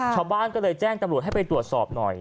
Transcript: ชาวบ้านก็เลยแจ้งตำรวจให้ไปตรวจสอบหน่อย